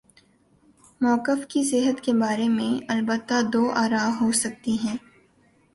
موقف کی صحت کے بارے میں البتہ دو آرا ہو سکتی ہیں۔